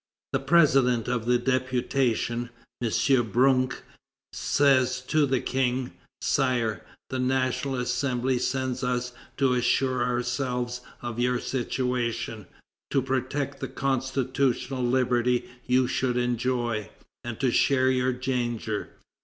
The president of the deputation, M. Brunk, says to the King: "Sire, the National Assembly sends us to assure ourselves of your situation, to protect the constitutional liberty you should enjoy, and to share your danger."